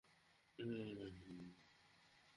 যে কুকুরটাকে মারতে বলেছিলাম তাকে না কি মারিসনি?